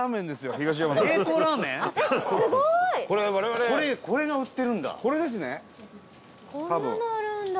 東山：これが売ってるんだ。